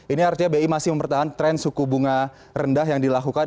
ini artinya bi masih mempertahan tren suku bunga rendah yang dilakukan